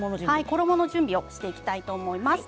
衣の準備をしていきたいと思います。